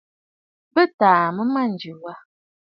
Bɨ tàà mə̂ a mânjì wâ.